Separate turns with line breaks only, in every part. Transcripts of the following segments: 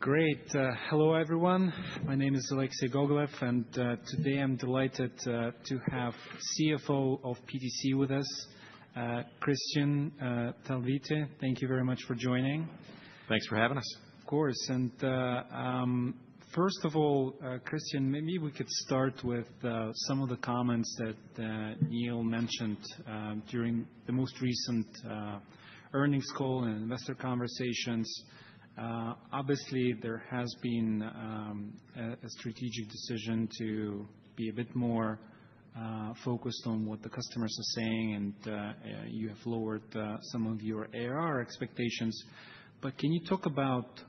Great. Hello, everyone. My name is Alexei Gogolev, and today I'm delighted to have CFO of PTC with us, Kristian Talvitie. Thank you very much for joining.
Thanks for having us.
Of course. First of all, Kristian, maybe we could start with some of the comments that [Neil] mentioned during the most recent earnings call and investor conversations. Obviously, there has been a strategic decision to be a bit more focused on what the customers are saying, and you have lowered some of your ARR expectations. Can you talk about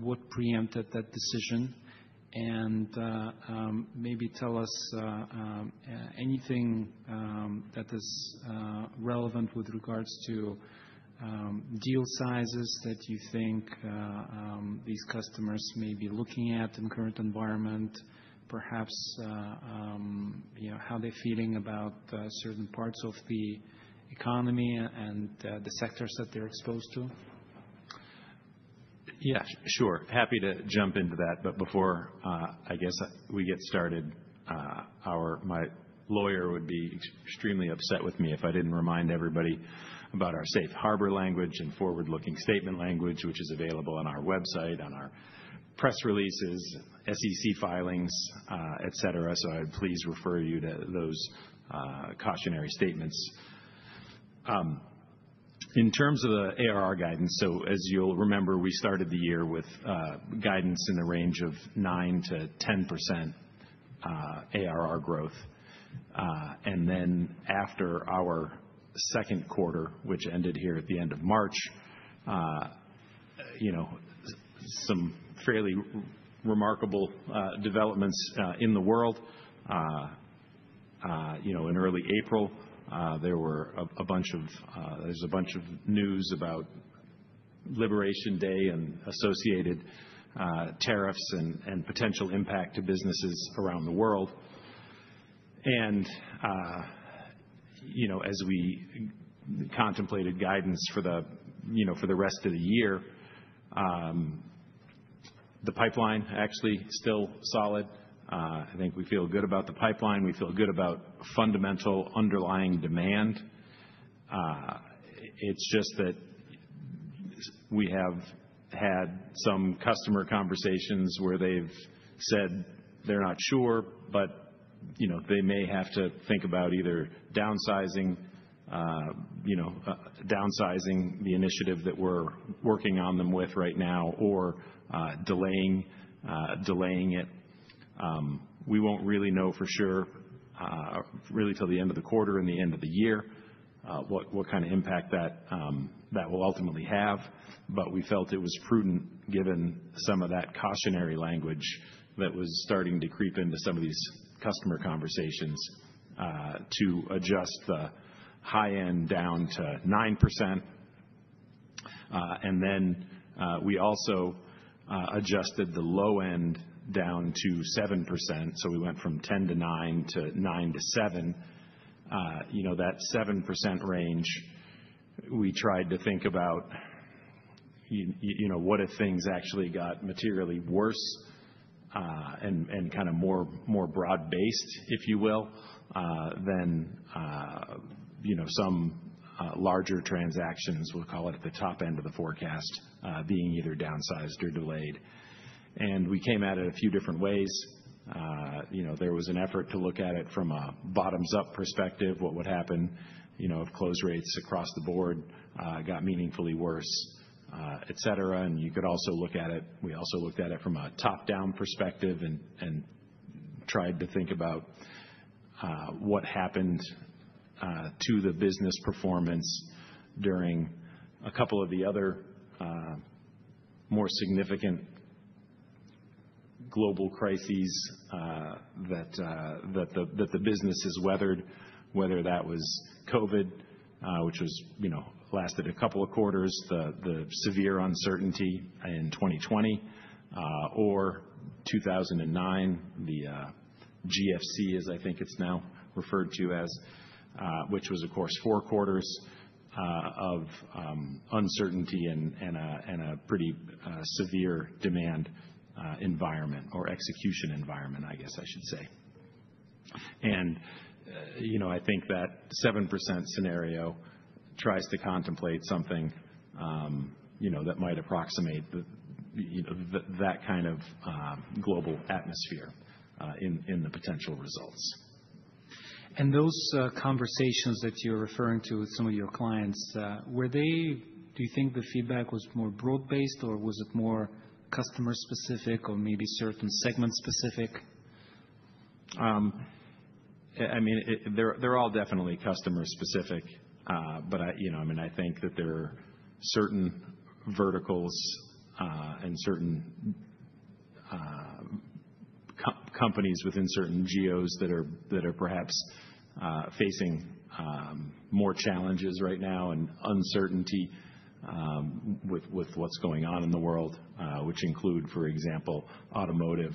what preempted that decision, and maybe tell us anything that is relevant with regards to deal sizes that you think these customers may be looking at in the current environment, perhaps how they're feeling about certain parts of the economy and the sectors that they're exposed to?
Yeah, sure. Happy to jump into that. Before, I guess, we get started, my lawyer would be extremely upset with me if I did not remind everybody about our safe harbor language and forward-looking statement language, which is available on our website, on our press releases, SEC filings, etc. Please refer you to those cautionary statements. In terms of the ARR guidance, as you will remember, we started the year with guidance in the range of 9-10% ARR growth. After our second quarter, which ended here at the end of March, some fairly remarkable developments in the world. In early April, there was a bunch of news about Liberation Day and associated tariffs and potential impact to businesses around the world. As we contemplated guidance for the rest of the year, the pipeline actually is still solid. I think we feel good about the pipeline. We feel good about fundamental underlying demand. It's just that we have had some customer conversations where they've said they're not sure, but they may have to think about either downsizing the initiative that we're working on them with right now or delaying it. We won't really know for sure, really, till the end of the quarter and the end of the year, what kind of impact that will ultimately have. We felt it was prudent, given some of that cautionary language that was starting to creep into some of these customer conversations, to adjust the high-end down to 9%. We also adjusted the low-end down to 7%. We went from 10-9 to 9-7. That 7% range, we tried to think about what if things actually got materially worse and kind of more broad-based, if you will, than some larger transactions, we'll call it at the top end of the forecast, being either downsized or delayed. We came at it a few different ways. There was an effort to look at it from a bottoms-up perspective, what would happen if close rates across the board got meaningfully worse, etc. You could also look at it, we also looked at it from a top-down perspective and tried to think about what happened to the business performance during a couple of the other more significant global crises that the business has weathered, whether that was COVID, which lasted a couple of quarters, the severe uncertainty in 2020, or 2009, the GFC, as I think it's now referred to, which was, of course, four quarters of uncertainty and a pretty severe demand environment or execution environment, I guess I should say. I think that 7% scenario tries to contemplate something that might approximate that kind of global atmosphere in the potential results.
Those conversations that you're referring to with some of your clients, were they, do you think the feedback was more broad-based, or was it more customer-specific or maybe certain segment-specific?
I mean, they're all definitely customer-specific. I mean, I think that there are certain verticals and certain companies within certain geos that are perhaps facing more challenges right now and uncertainty with what's going on in the world, which include, for example, automotive,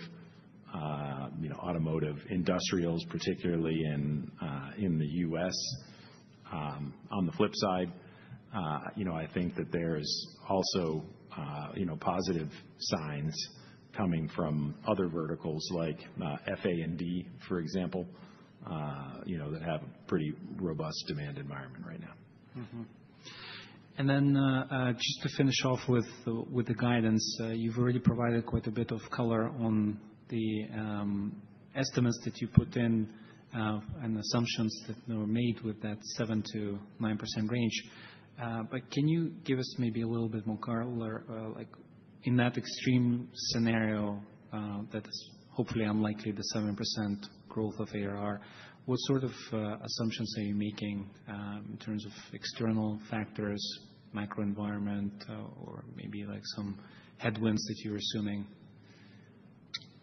automotive industrials, particularly in the U.S. On the flip side, I think that there are also positive signs coming from other verticals like FA&D, for example, that have a pretty robust demand environment right now.
Just to finish off with the guidance, you've already provided quite a bit of color on the estimates that you put in and assumptions that were made with that 7-9% range. Can you give us maybe a little bit more color? In that extreme scenario, that is hopefully unlikely, the 7% growth of ARR, what sort of assumptions are you making in terms of external factors, macro environment, or maybe some headwinds that you're assuming?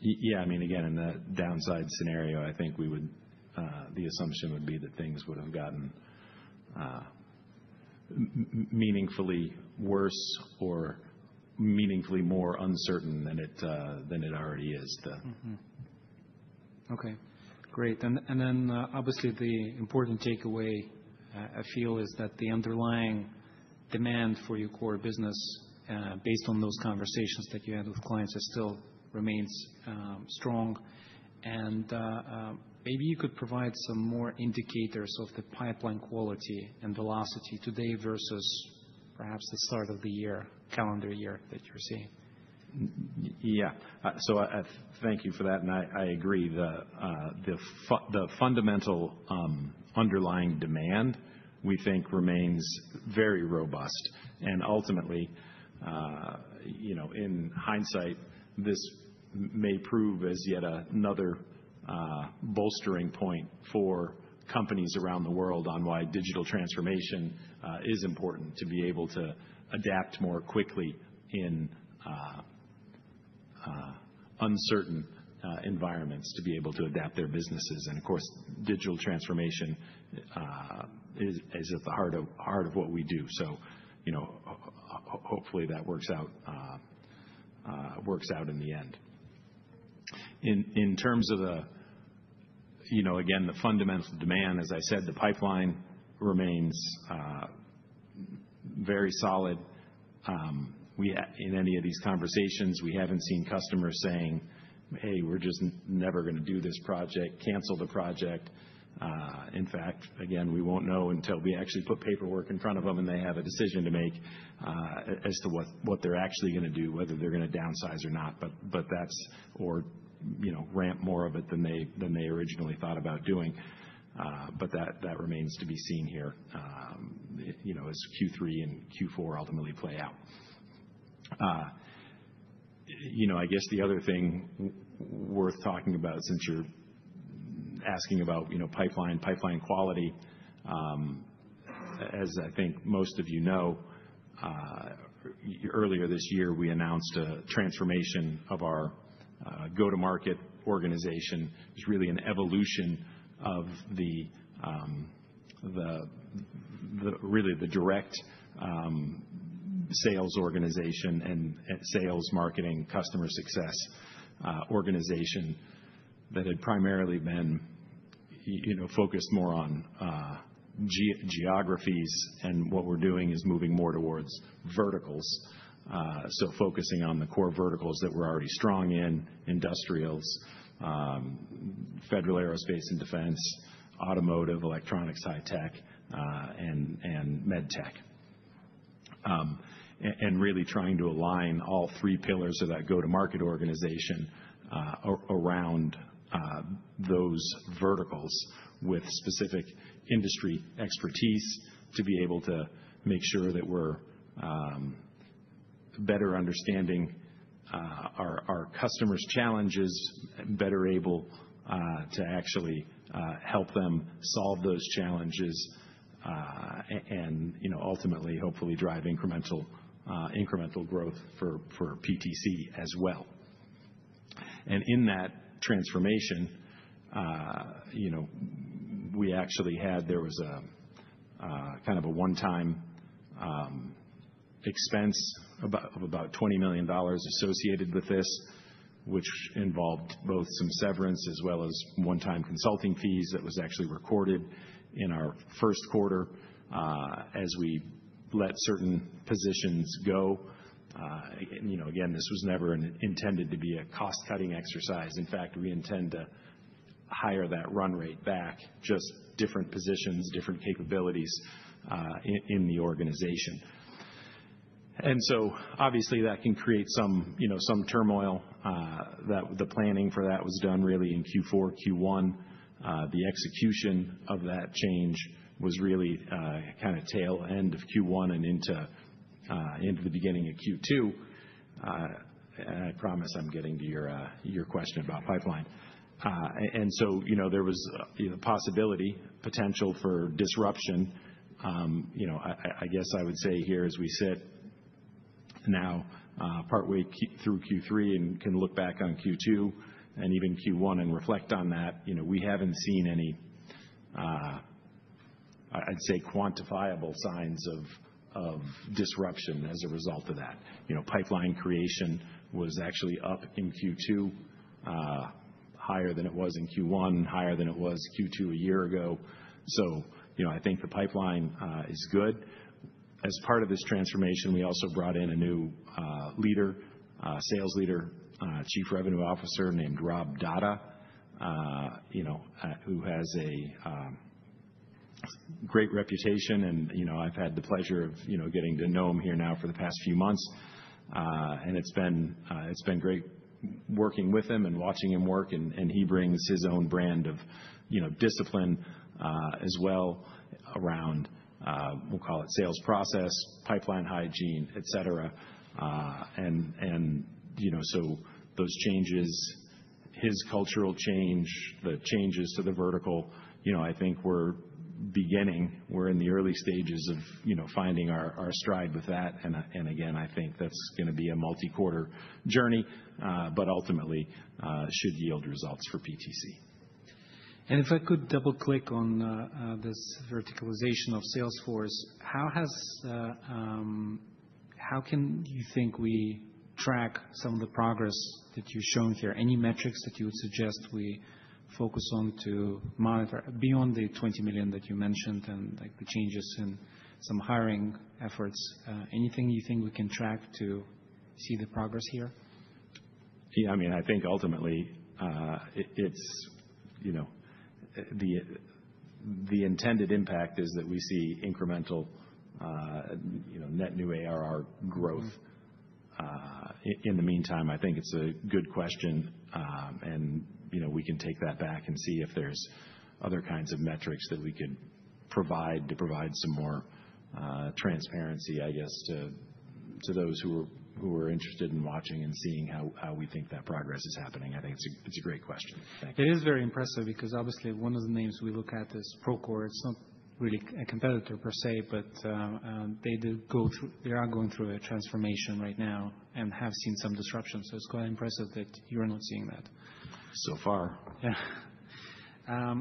Yeah. I mean, again, in the downside scenario, I think we would, the assumption would be that things would have gotten meaningfully worse or meaningfully more uncertain than it already is.
Okay. Great. Obviously, the important takeaway, I feel, is that the underlying demand for your core business, based on those conversations that you had with clients, still remains strong. Maybe you could provide some more indicators of the pipeline quality and velocity today versus perhaps the start of the year, calendar year that you're seeing.
Yeah. Thank you for that. I agree. The fundamental underlying demand, we think, remains very robust. Ultimately, in hindsight, this may prove as yet another bolstering point for companies around the world on why digital transformation is important to be able to adapt more quickly in uncertain environments, to be able to adapt their businesses. Of course, digital transformation is at the heart of what we do. Hopefully, that works out in the end. In terms of the, again, the fundamental demand, as I said, the pipeline remains very solid. In any of these conversations, we haven't seen customers saying, "Hey, we're just never going to do this project, cancel the project." In fact, again, we won't know until we actually put paperwork in front of them and they have a decision to make as to what they're actually going to do, whether they're going to downsize or not, or ramp more of it than they originally thought about doing. That remains to be seen here as Q3 and Q4 ultimately play out. I guess the other thing worth talking about, since you're asking about pipeline, pipeline quality, as I think most of you know, earlier this year, we announced a transformation of our go-to-market organization. It was really an evolution of the direct sales organization and sales marketing customer success organization that had primarily been focused more on geographies. What we're doing is moving more towards verticals, so focusing on the core verticals that we're already strong in: industrials, federal aerospace and defense, automotive, electronics, high-tech, and med tech. Really trying to align all three pillars of that go-to-market organization around those verticals with specific industry expertise to be able to make sure that we're better understanding our customers' challenges, better able to actually help them solve those challenges, and ultimately, hopefully, drive incremental growth for PTC as well. In that transformation, we actually had a kind of a one-time expense of about $20 million associated with this, which involved both some severance as well as one-time consulting fees that was actually recorded in our first quarter as we let certain positions go. Again, this was never intended to be a cost-cutting exercise. In fact, we intend to hire that run rate back, just different positions, different capabilities in the organization. That can create some turmoil. The planning for that was done really in Q4, Q1. The execution of that change was really kind of tail end of Q1 and into the beginning of Q2. I promise I'm getting to your question about pipeline. There was the possibility, potential for disruption. I guess I would say here, as we sit now, partway through Q3 and can look back on Q2 and even Q1 and reflect on that, we haven't seen any, I'd say, quantifiable signs of disruption as a result of that. Pipeline creation was actually up in Q2, higher than it was in Q1, higher than it was Q2 a year ago. I think the pipeline is good. As part of this transformation, we also brought in a new leader, sales leader, Chief Revenue Officer named Rob Dahdah, who has a great reputation. I have had the pleasure of getting to know him here now for the past few months. It has been great working with him and watching him work. He brings his own brand of discipline as well around, we will call it, sales process, pipeline hygiene, etc. Those changes, his cultural change, the changes to the vertical, I think we are beginning. We are in the early stages of finding our stride with that. I think that is going to be a multi-quarter journey, but ultimately should yield results for PTC.
If I could double-click on this verticalization of Salesforce, how can you think we track some of the progress that you've shown here? Any metrics that you would suggest we focus on to monitor beyond the $20 million that you mentioned and the changes in some hiring efforts? Anything you think we can track to see the progress here?
Yeah. I mean, I think ultimately, the intended impact is that we see incremental net new ARR growth. In the meantime, I think it's a good question. We can take that back and see if there's other kinds of metrics that we could provide to provide some more transparency, I guess, to those who are interested in watching and seeing how we think that progress is happening. I think it's a great question. Thank you.
It is very impressive because obviously, one of the names we look at is Procore. It's not really a competitor per se, but they are going through a transformation right now and have seen some disruption. It is quite impressive that you're not seeing that.
So far.
Yeah.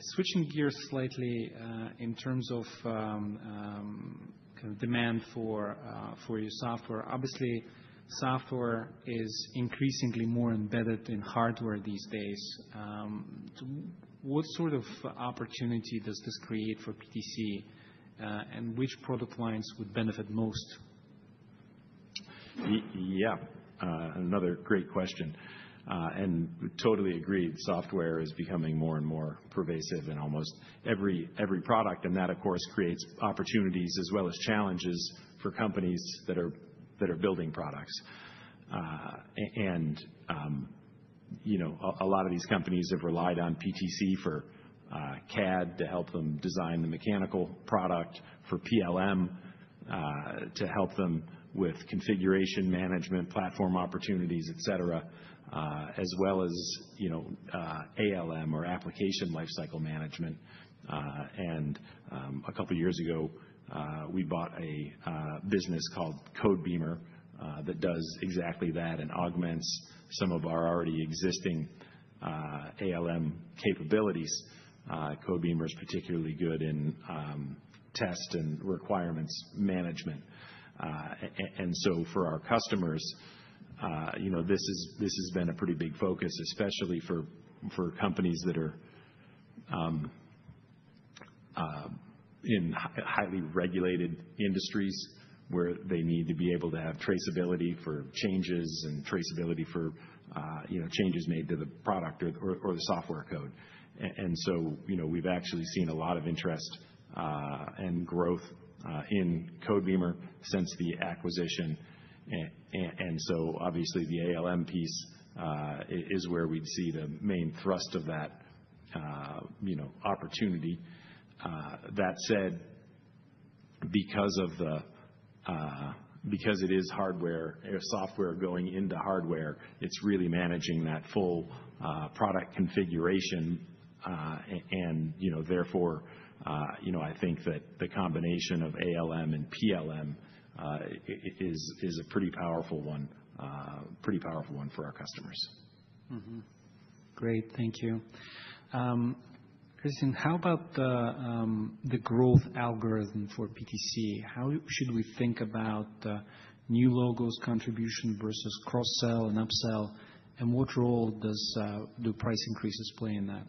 Switching gears slightly, in terms of kind of demand for your software, obviously, software is increasingly more embedded in hardware these days. What sort of opportunity does this create for PTC, and which product lines would benefit most?
Yeah. Another great question. Totally agreed. Software is becoming more and more pervasive in almost every product. That, of course, creates opportunities as well as challenges for companies that are building products. A lot of these companies have relied on PTC for CAD to help them design the mechanical product, for PLM to help them with configuration management, platform opportunities, etc., as well as ALM or application lifecycle management. A couple of years ago, we bought a business called Codebeamer that does exactly that and augments some of our already existing ALM capabilities. Codebeamer is particularly good in test and requirements management. For our customers, this has been a pretty big focus, especially for companies that are in highly regulated industries where they need to be able to have traceability for changes and traceability for changes made to the product or the software code. We have actually seen a lot of interest and growth in Codebeamer since the acquisition. Obviously, the ALM piece is where we would see the main thrust of that opportunity. That said, because it is hardware software going into hardware, it is really managing that full product configuration. Therefore, I think that the combination of ALM and PLM is a pretty powerful one, pretty powerful one for our customers.
Great. Thank you. Kristian, how about the growth algorithm for PTC? How should we think about new logos contribution versus cross-sell and upsell? What role does the price increases play in that?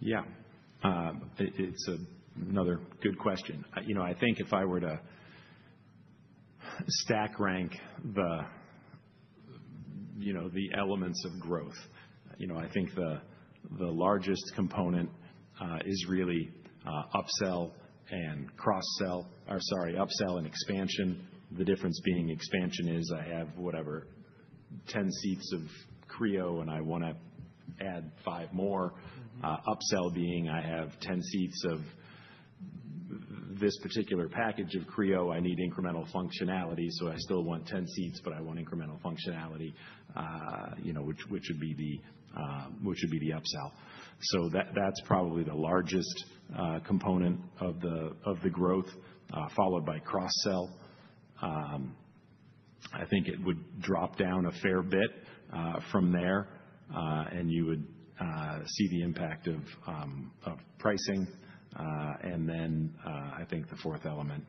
Yeah. It's another good question. I think if I were to stack rank the elements of growth, I think the largest component is really upsell and cross-sell or sorry, upsell and expansion. The difference being expansion is I have whatever, 10 seats of Creo and I want to add 5 more. Upsell being I have 10 seats of this particular package of Creo, I need incremental functionality. So I still want 10 seats, but I want incremental functionality, which would be the upsell. That's probably the largest component of the growth, followed by cross-sell. I think it would drop down a fair bit from there, and you would see the impact of pricing. I think the fourth element,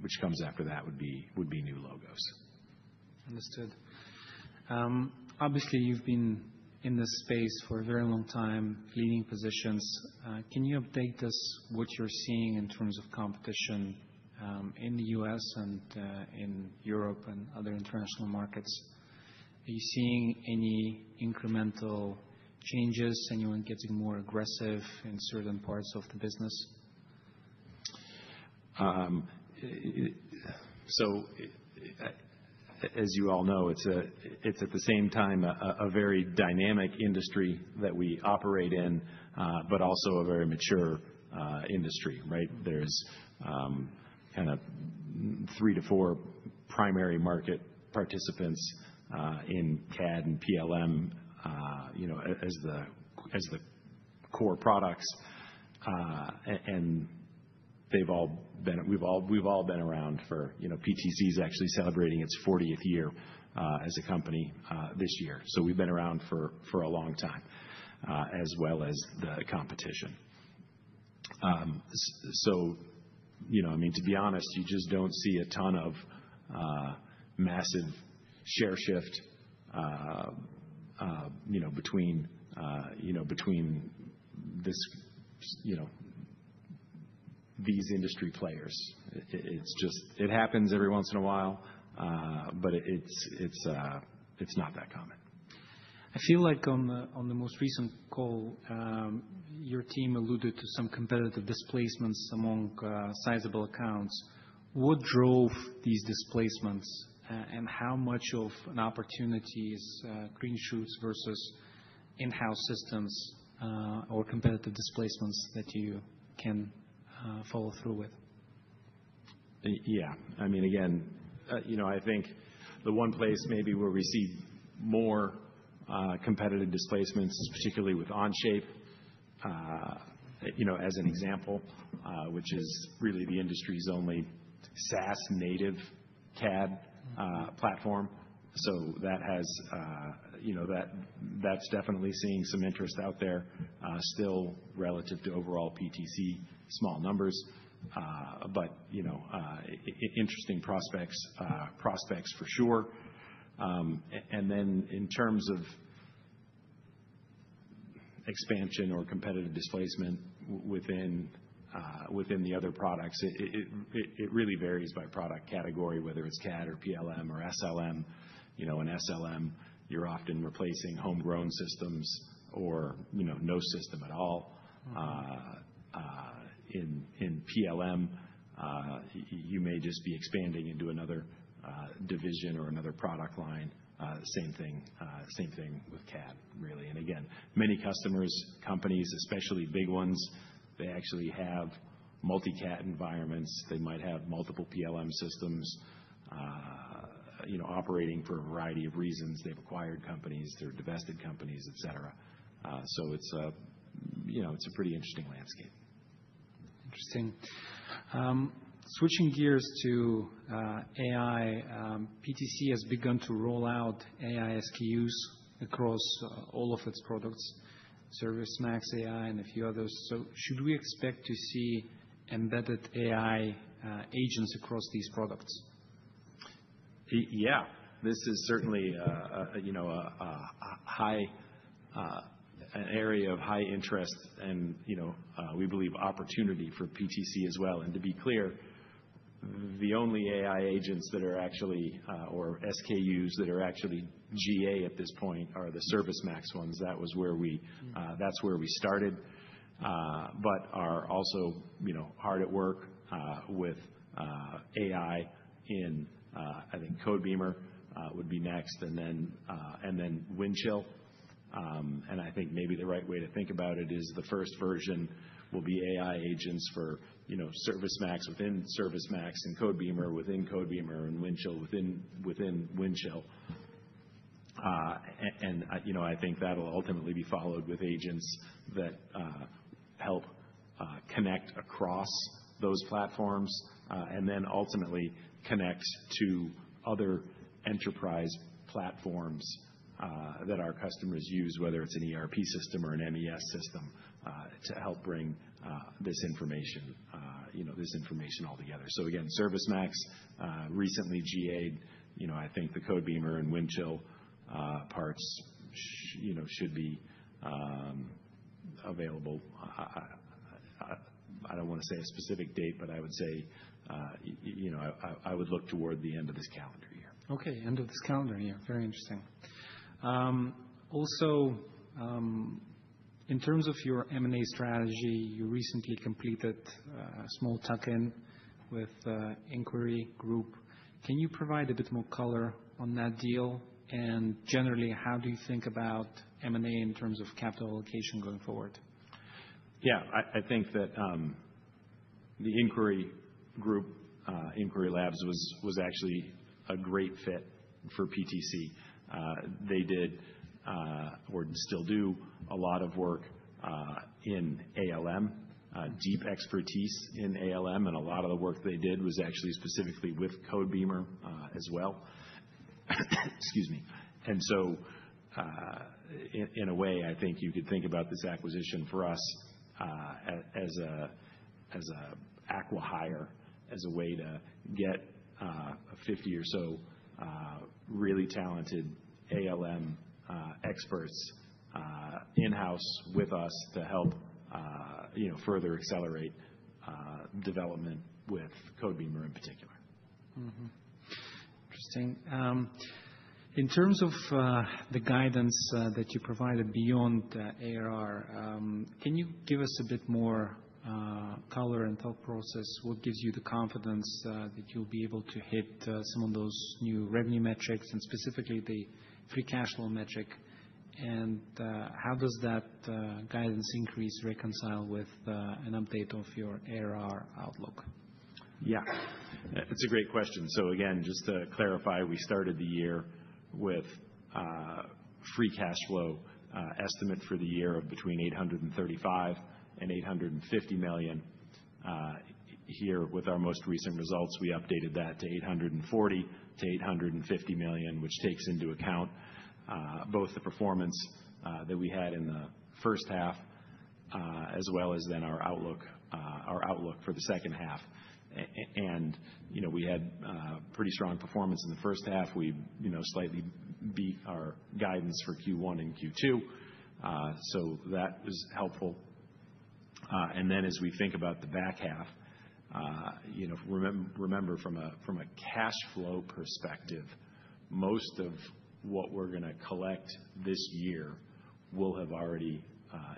which comes after that, would be new logos.
Understood. Obviously, you've been in this space for a very long time, leading positions. Can you update us what you're seeing in terms of competition in the U.S. and in Europe and other international markets? Are you seeing any incremental changes, anyone getting more aggressive in certain parts of the business?
As you all know, it's at the same time a very dynamic industry that we operate in, but also a very mature industry, right? There's kind of three to four primary market participants in CAD and PLM as the core products. And we've all been around for PTC is actually celebrating its 40th year as a company this year. We've been around for a long time, as well as the competition. I mean, to be honest, you just don't see a ton of massive share shift between these industry players. It happens every once in a while, but it's not that common.
I feel like on the most recent call, your team alluded to some competitive displacements among sizable accounts. What drove these displacements, and how much of an opportunity is green shoots versus in-house systems or competitive displacements that you can follow through with?
Yeah. I mean, again, I think the one place maybe where we see more competitive displacements is particularly with Onshape, as an example, which is really the industry's only SaaS-native CAD platform. That is definitely seeing some interest out there still relative to overall PTC, small numbers, but interesting prospects for sure. In terms of expansion or competitive displacement within the other products, it really varies by product category, whether it is CAD or PLM or SLM. In SLM, you are often replacing homegrown systems or no system at all. In PLM, you may just be expanding into another division or another product line. Same thing with CAD, really. Many customers, companies, especially big ones, actually have multi-CAD environments. They might have multiple PLM systems operating for a variety of reasons. They have acquired companies, they are divested companies, etc. It is a pretty interesting landscape.
Interesting. Switching gears to AI, PTC has begun to roll out AI SKUs across all of its products, ServiceMax AI and a few others. Should we expect to see embedded AI agents across these products?
Yeah. This is certainly an area of high interest and we believe opportunity for PTC as well. To be clear, the only AI agents that are actually or SKUs that are actually GA at this point are the ServiceMax ones. That's where we started, but are also hard at work with AI in, I think, Codebeamer would be next, and then Windchill. I think maybe the right way to think about it is the first version will be AI agents for ServiceMax within ServiceMax and Codebeamer within Codebeamer and Windchill within Windchill. I think that'll ultimately be followed with agents that help connect across those platforms and then ultimately connect to other enterprise platforms that our customers use, whether it's an ERP system or an MES system, to help bring this information all together. Again, ServiceMax recently GA'd. I think the Codebeamer and Windchill parts should be available. I don't want to say a specific date, but I would say I would look toward the end of this calendar year.
Okay. End of this calendar year. Very interesting. Also, in terms of your M&A strategy, you recently completed a small tuck-in with IncQuery Group. Can you provide a bit more color on that deal? Generally, how do you think about M&A in terms of capital allocation going forward?
Yeah. I think that the IncQuery Labs was actually a great fit for PTC. They did or still do a lot of work in ALM, deep expertise in ALM, and a lot of the work they did was actually specifically with Codebeamer as well. Excuse me. In a way, I think you could think about this acquisition for us as an acqui-hire, as a way to get 50 or so really talented ALM experts in-house with us to help further accelerate development with Codebeamer in particular.
Interesting. In terms of the guidance that you provided beyond ARR, can you give us a bit more color and thought process? What gives you the confidence that you'll be able to hit some of those new revenue metrics and specifically the free cash flow metric? How does that guidance increase reconcile with an update of your ARR outlook?
Yeah. It's a great question. Just to clarify, we started the year with free cash flow estimates for the year of between $835 million and $850 million. Here with our most recent results, we updated that to $840 million-$850 million, which takes into account both the performance that we had in the first half as well as our outlook for the second half. We had pretty strong performance in the first half. We slightly beat our guidance for Q1 and Q2. That was helpful. As we think about the back half, remember from a cash flow perspective, most of what we're going to collect this year will have already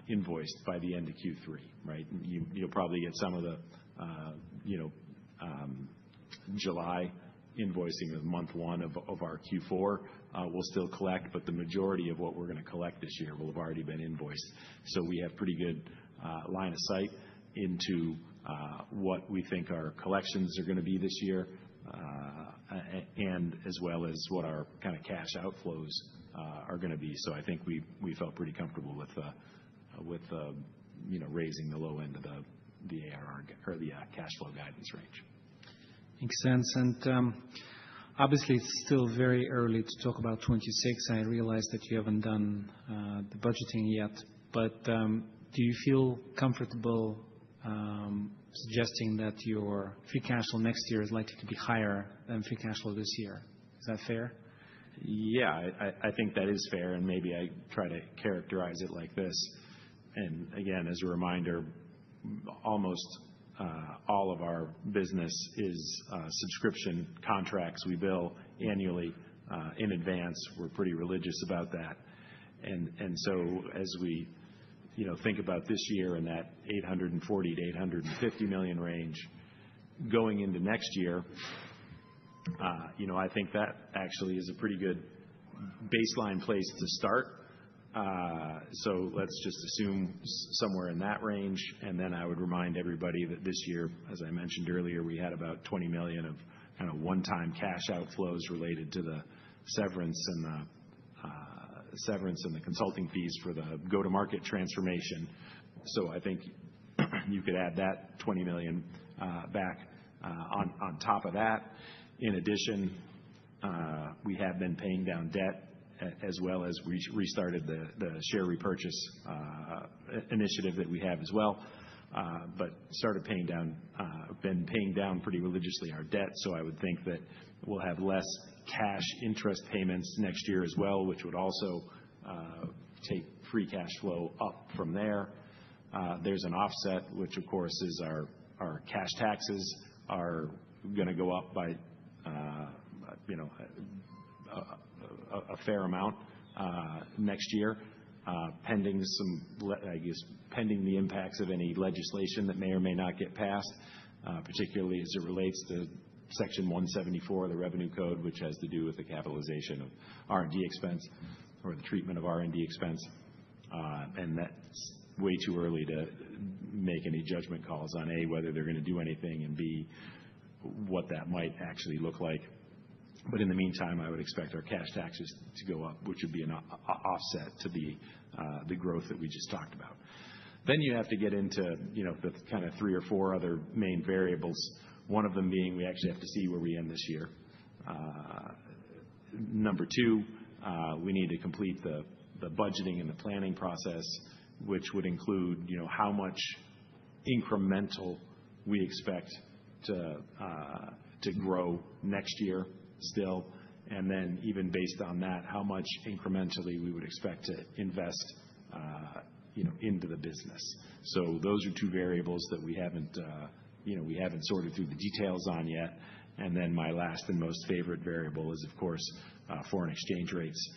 invoiced by the end of Q3, right? You'll probably get some of the July invoicing of month one of our Q4 will still collect, but the majority of what we're going to collect this year will have already been invoiced. We have pretty good line of sight into what we think our collections are going to be this year and as well as what our kind of cash outflows are going to be. I think we felt pretty comfortable with raising the low end of the ARR or the cash flow guidance range.
Makes sense. Obviously, it's still very early to talk about 2026. I realize that you haven't done the budgeting yet, but do you feel comfortable suggesting that your free cash flow next year is likely to be higher than free cash flow this year? Is that fair?
Yeah. I think that is fair. Maybe I try to characterize it like this. Again, as a reminder, almost all of our business is subscription contracts we bill annually in advance. We're pretty religious about that. As we think about this year in that $840 million-$850 million range, going into next year, I think that actually is a pretty good baseline place to start. Let's just assume somewhere in that range. I would remind everybody that this year, as I mentioned earlier, we had about $20 million of kind of one-time cash outflows related to the severance and the consulting fees for the go-to-market transformation. I think you could add that $20 million back on top of that. In addition, we have been paying down debt as well as we restarted the share repurchase initiative that we have as well, but started paying down, been paying down pretty religiously our debt. I would think that we'll have less cash interest payments next year as well, which would also take free cash flow up from there. There's an offset, which of course is our cash taxes are going to go up by a fair amount next year, pending the impacts of any legislation that may or may not get passed, particularly as it relates to Section 174 of the Revenue Code, which has to do with the capitalization of R&D expense or the treatment of R&D expense. That's way too early to make any judgment calls on A, whether they're going to do anything, and B, what that might actually look like. In the meantime, I would expect our cash taxes to go up, which would be an offset to the growth that we just talked about. You have to get into the kind of three or four other main variables, one of them being we actually have to see where we end this year. Number two, we need to complete the budgeting and the planning process, which would include how much incremental we expect to grow next year still, and then even based on that, how much incrementally we would expect to invest into the business. Those are two variables that we have not sorted through the details on yet. My last and most favorite variable is, of course, foreign exchange rates,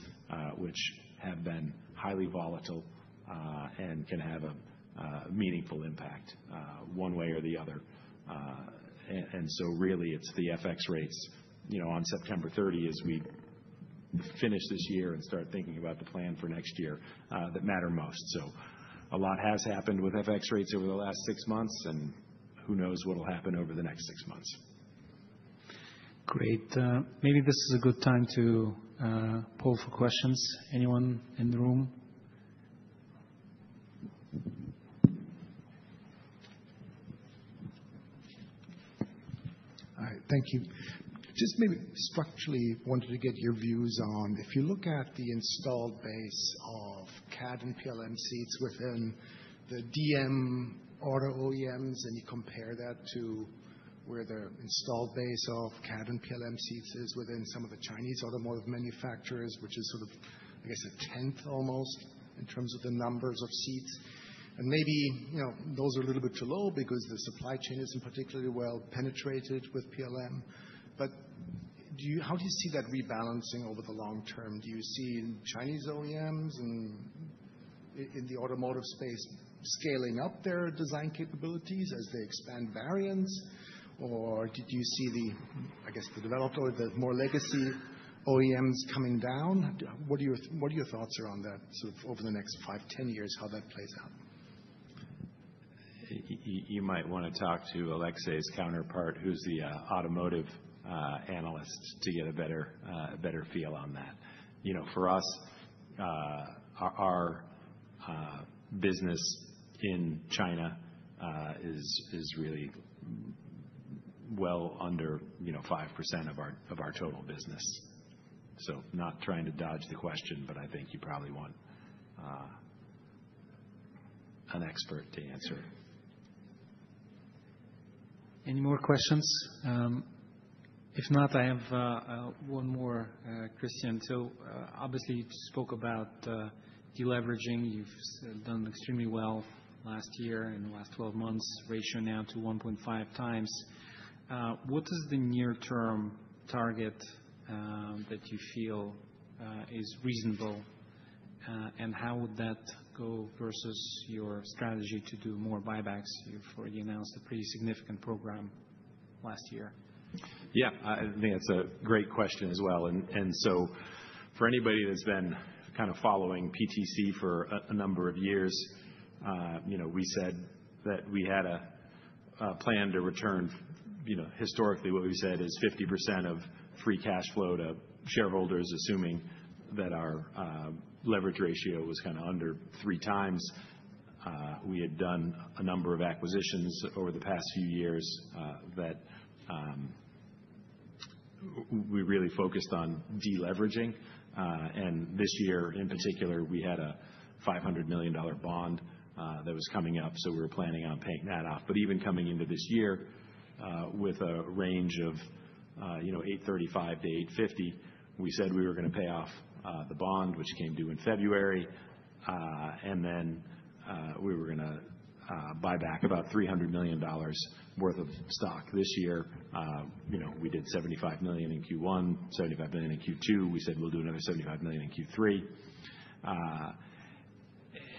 which have been highly volatile and can have a meaningful impact one way or the other. Really, it's the FX rates on September 30 as we finish this year and start thinking about the plan for next year that matter most. A lot has happened with FX rates over the last six months, and who knows what will happen over the next six months.
Great. Maybe this is a good time to poll for questions. Anyone in the room?
All right. Thank you. Just maybe structurally wanted to get your views on if you look at the installed base of CAD and PLM seats within the DM auto OEMs and you compare that to where the installed base of CAD and PLM seats is within some of the Chinese automotive manufacturers, which is sort of, I guess, a 10th almost in terms of the numbers of seats. And maybe those are a little bit too low because the supply chain isn't particularly well penetrated with PLM. How do you see that rebalancing over the long term? Do you see Chinese OEMs in the automotive space scaling up their design capabilities as they expand variants, or do you see the, I guess, the developer or the more legacy OEMs coming down? What are your thoughts around that sort of over the next five, 10 years, how that plays out?
You might want to talk to Alexei's counterpart, who's the automotive analyst, to get a better feel on that. For us, our business in China is really well under 5% of our total business. Not trying to dodge the question, but I think you probably want an expert to answer.
Any more questions? If not, I have one more, Kristian. Obviously, you spoke about deleveraging. You've done extremely well last year in the last 12 months, ratio now to 1.5 times. What is the near-term target that you feel is reasonable, and how would that go versus your strategy to do more buybacks? You announced a pretty significant program last year.
Yeah. I think that's a great question as well. For anybody that's been kind of following PTC for a number of years, we said that we had a plan to return, historically, what we said is 50% of free cash flow to shareholders, assuming that our leverage ratio was kind of under three times. We had done a number of acquisitions over the past few years that we really focused on deleveraging. This year, in particular, we had a $500 million bond that was coming up, so we were planning on paying that off. Even coming into this year with a range of $835 million-$850 million, we said we were going to pay off the bond, which came due in February, and then we were going to buy back about $300 million worth of stock this year. We did $75 million in Q1, $75 million in Q2. We said we'll do another $75 million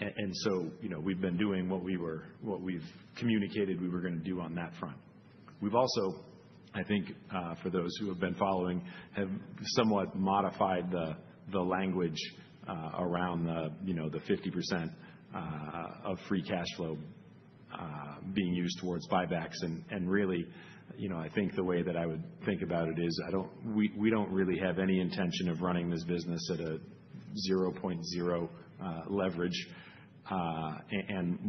in Q3. We have been doing what we've communicated we were going to do on that front. We have also, I think for those who have been following, somewhat modified the language around the 50% of free cash flow being used towards buybacks. Really, I think the way that I would think about it is we do not really have any intention of running this business at a 0.0 leverage.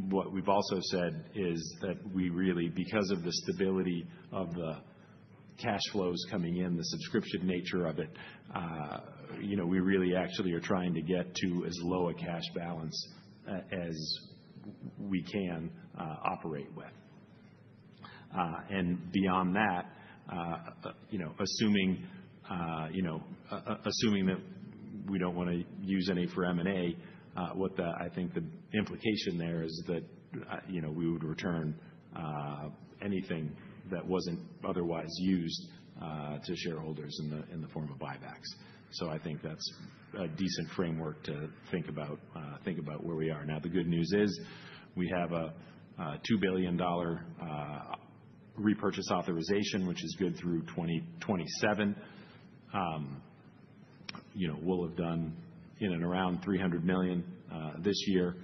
What we have also said is that we really, because of the stability of the cash flows coming in, the subscription nature of it, we really actually are trying to get to as low a cash balance as we can operate with. Beyond that, assuming that we do not want to use any for M&A, I think the implication there is that we would return anything that was not otherwise used to shareholders in the form of buybacks. I think that is a decent framework to think about where we are. The good news is we have a $2 billion repurchase authorization, which is good through 2027. We will have done in and around $300 million this year.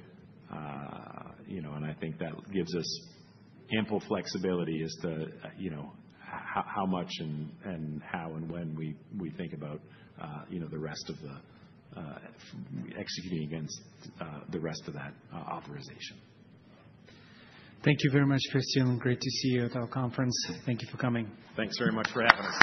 I think that gives us ample flexibility as to how much and how and when we think about executing against the rest of that authorization.
Thank you very much, Kristian. Great to see you at our conference. Thank you for coming.
Thanks very much for having us.